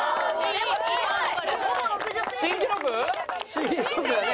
新記録だね。